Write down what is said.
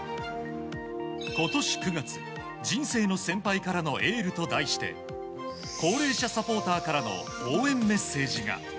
今年９月人生の先輩からのエールと題して高齢者サポーターからの応援メッセージが。